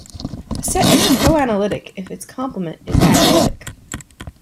A set is coanalytic if its complement is analytic.